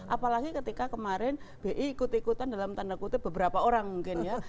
apalagi ketika kemarin bi ikut ikutan dalam tanda kutip beberapa orang mungkin ya